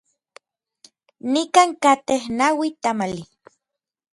Nikan katej naui tamali.